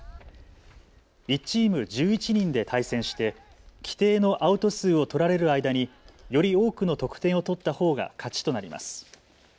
１チーム１１人で対戦して規定のアウト数を取られる間により多くの得点を取ったほうが勝ちとなります。